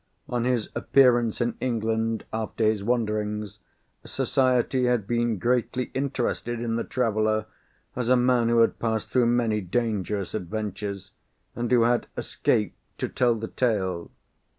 On his appearance in England, after his wanderings, society had been greatly interested in the traveller, as a man who had passed through many dangerous adventures, and who had escaped to tell the tale.